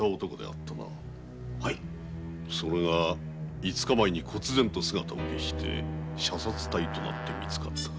それが５日前に姿を消して射殺体となって見つかったか。